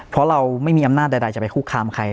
เพราะเราไม่มีอำนาจใดจะไปคุกคามใคร